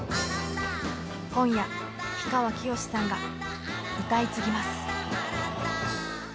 今夜、氷川きよしさんが歌い継ぎます。